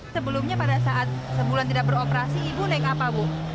sebelumnya pada saat sebulan tidak beroperasi ibu naik apa bu